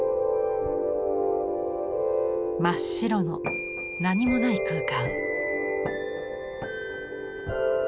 真っ白の何もない空間。